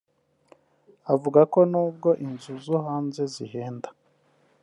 Avuga ko nubwo inzu zo hanze zihenda